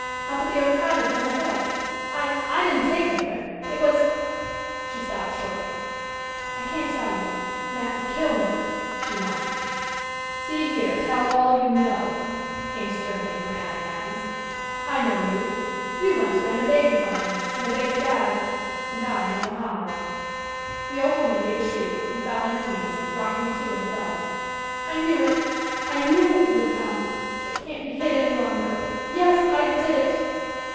"Up at the old cottage on the hill. I I didn't take her there. It was " She stopped short. "I can't tell you. Mat would kill me," she whined. "See here, tell all you know," came sternly from Adam Adams. "I know you. You once ran a baby farm, and a baby died, and I know how." The old woman gave a shriek and fell on her knees, rocking to and fro. "I knew it! I knew it would come! It can't be hid any longer! Yes, I did it!"